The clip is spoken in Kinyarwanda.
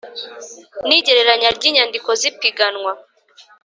N igereranya ry inyandiko z ipiganwa